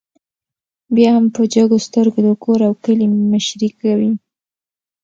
بيا هم په جګو سترګو د کور او کلي مشري کوي